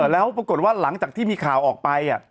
แล้วปรากฏว่าหลังจากที่มีข่าวออกไป